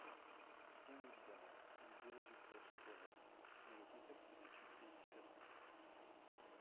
Bien évidemment, les deux résultats sont corrects mais le contexte d'étude est différent.